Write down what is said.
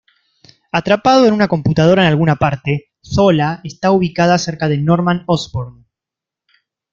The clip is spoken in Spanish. Atrapado en una computadora en alguna parte, Zola está ubicado cerca Norman Osborn.